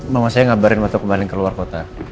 mama saya ngabarin waktu kembali ke luar kota